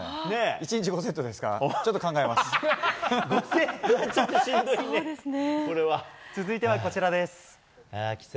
１日５セットですから続いてはこちらです。